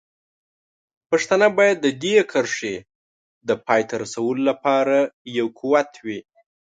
پښتانه باید د دې کرښې د پای ته رسولو لپاره یو قوت وي.